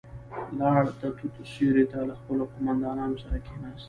لاړ، د توت سيورې ته له خپلو قوماندانانو سره کېناست.